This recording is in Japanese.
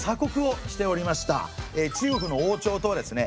中国の王朝とはですね